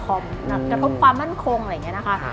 กระทบความมั่นคงอะไรอย่างนี้นะคะ